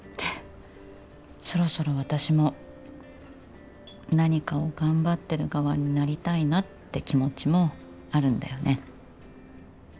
そろそろ私も何かを頑張ってる側になりたいなって気持ちもあるんだよね。